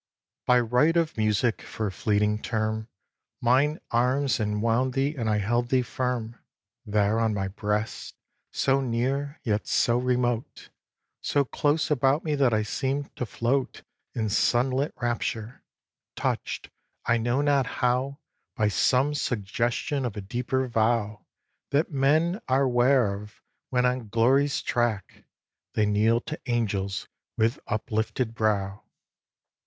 ix. By right of music, for a fleeting term, Mine arms enwound thee and I held thee firm There on my breast, so near, yet so remote, So close about me that I seem'd to float In sunlit rapture, touch'd I know not how By some suggestion of a deeper vow Than men are 'ware of when, on Glory's track, They kneel to angels with uplifted brow.